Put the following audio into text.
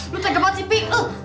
lu tegak banget sih pih